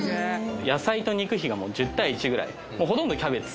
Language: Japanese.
野菜と肉比がもう１０対１ぐらいもうほとんどキャベツ